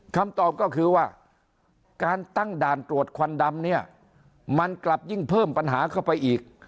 คำตอบก็คือว่าการตั้งด่านตรวจควันดำเนี่ยมันกลับยิ่งเพิ่มปัญหาเข้าไปอีก